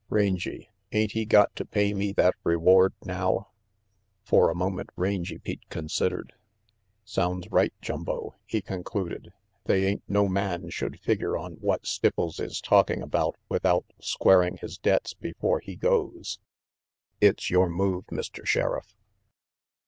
Rangy, ain't he got to pay me that reward now?" For a moment Rangy Pete considered. "Sounds right, Jumbo," he concluded. "They ain't no man should figure on what Stipples is talking about without squaring his debts before he goes. It's your move, Mr. Sheriff."